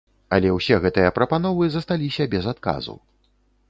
Але ўсе гэтыя прапановы засталіся без адказу.